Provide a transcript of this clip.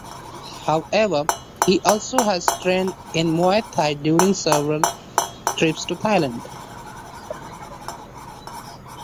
However, he also has trained in Muay Thai during several trips to Thailand.